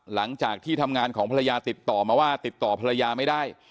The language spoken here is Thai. หลังจากที่ทำงานของภรรยาติดต่อมาว่าติดต่อภรรยาไม่ได้